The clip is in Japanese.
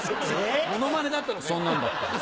ものまねだったのかよ。